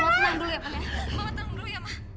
mama tenang dulu ya nda mama tenang dulu ya ma